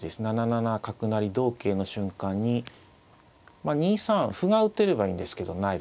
７七角成同桂の瞬間に２三歩が打てればいいんですけどないですからね。